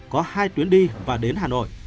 có hai tuyến đi và đến hà nội